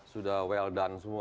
sudah well done semua